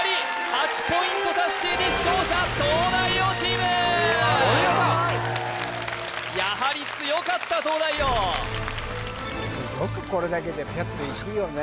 ８ポイント達成で勝者東大王チームお見事やはり強かった東大王よくこれだけでピャッといくよね